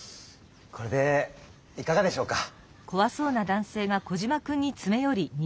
これでいかがでしょうか？